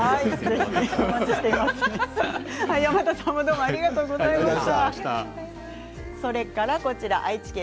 山田さんありがとうございました。